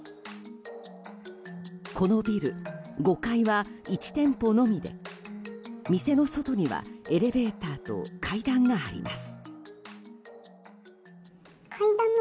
このビル５階は１店舗のみで店の外にはエレベーターと階段があります。